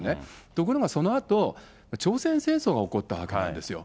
ところがそのあと、朝鮮戦争が起こったわけなんですよ。